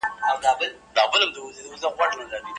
اقتصادي پرمختګ د ښځو د حقونو درناوی زیاتوي.